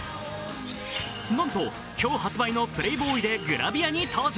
なんと、今日発売の「プレイボーイ」でグラビアに登場。